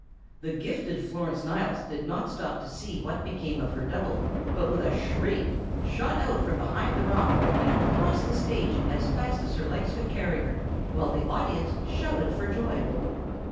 The gifted Florence Niles did not stop to see what became of her double, but with a shriek, shot out from behind the rock and across the stage as fast as her legs could carry her, while the audience shouted for joy.